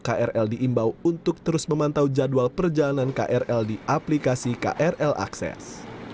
krl diimbau untuk terus memantau jadwal perjalanan krl di aplikasi krl akses